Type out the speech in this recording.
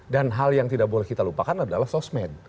dan hal yang tidak boleh kita lupakan adalah sosmed